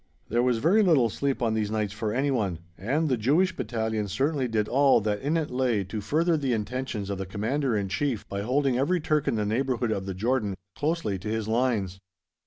There was very little sleep on these nights for anyone, and the Jewish Battalion certainly did all that in it lay to further the intentions of the Commander in Chief by holding every Turk in the neighbourhood of the Jordan closely to his lines.